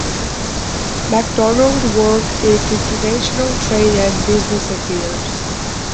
MacDonald worked in international trade and business affairs.